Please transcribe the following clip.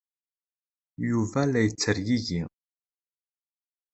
Yuba la yettergigi.